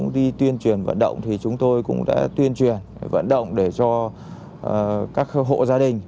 đi tuyên truyền vận động thì chúng tôi cũng đã tuyên truyền vận động để cho các hộ gia đình